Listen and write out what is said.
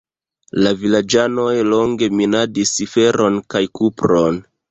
La vilaĝanoj longe minadis feron kaj kupron.